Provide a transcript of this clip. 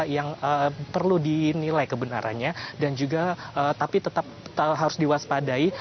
yang perlu dinilai kebenarannya dan juga tapi tetap harus diwaspadai